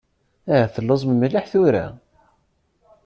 Ahat telluẓem mliḥ tura.